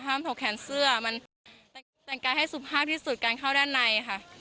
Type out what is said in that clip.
ถกแขนเสื้อมันแต่งกายให้สุภาพที่สุดการเข้าด้านในค่ะ